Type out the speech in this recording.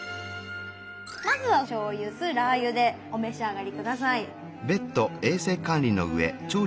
まずはしょうゆ酢ラー油でお召し上がり下さい。